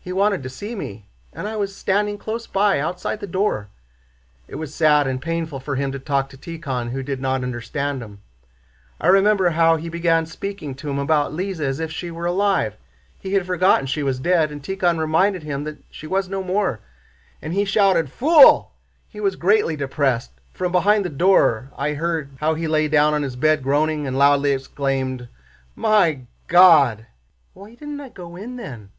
He wanted to see me, and I was standing close by, outside the door. It was sad and painful for him to talk to Tíkhon who did not understand him. I remember how he began speaking to him about Lise as if she were alive—he had forgotten she was dead—and Tíkhon reminded him that she was no more, and he shouted, 'Fool!' He was greatly depressed. From behind the door I heard how he lay down on his bed groaning and loudly exclaimed, 'My God!' Why didn't I go in then?